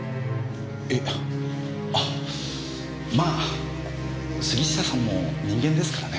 あまあ杉下さんも人間ですからね。